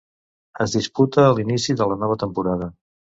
Es disputa a l'inici de la nova temporada.